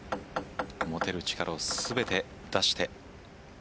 持てる力を全て出して。